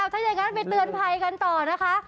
ถ้าอย่างนั้นไปเตือนภัยกันต่อนะคะ